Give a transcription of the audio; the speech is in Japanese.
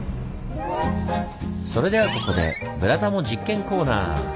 それではここでブラタモ実験コーナー！